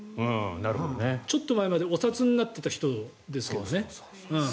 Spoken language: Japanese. ちょっと前までお札になってた人です。